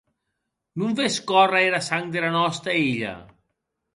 Non ves córrer era sang dera nòsta hilha?